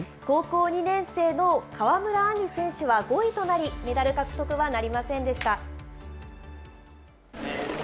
高校２年生の川村あんり選手は５位となり、メダル獲得はなりませんでした。